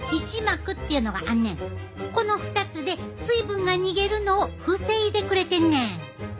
この２つで水分が逃げるのを防いでくれてんねん。